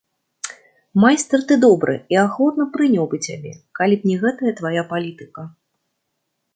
Майстар ты добры, і ахвотна прыняў бы цябе, калі б не гэтая твая палітыка.